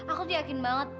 aku yakin banget